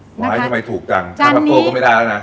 ไว้ทำไมถูกจัง